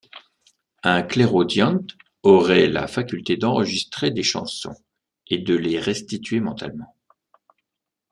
Un clairaudient aurait la faculté d'enregistrer des chansons et de les restituer mentalement.